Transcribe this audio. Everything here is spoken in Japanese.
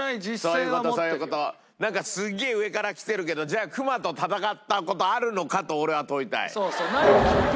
なんかすげえ上からきてるけどじゃあ熊と戦った事あるのかと俺は問いたい。